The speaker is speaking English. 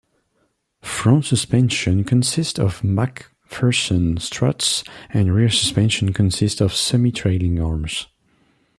Front suspension consists of MacPherson struts and rear suspension consists of semi-trailing arms.